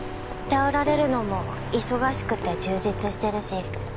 頼られるのも忙しくて充実してるし。